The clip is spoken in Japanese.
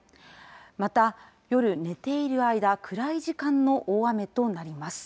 また、夜寝ている間、暗い時間の大雨となります。